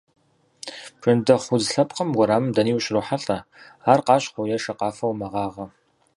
Бжэнтхьэху удз лъэпкъым уэрамым дэни ущрохьэлӏэ, ар къащхъуэу е шакъафэу мэгъагъэ.